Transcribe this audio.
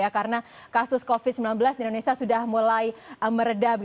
karena kasus covid sembilan belas di indonesia sudah mulai meredah